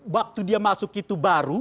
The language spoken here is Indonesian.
waktu dia masuk itu baru